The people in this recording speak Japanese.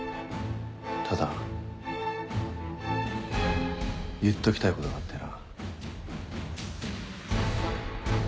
ただ言っときたいことがあってな。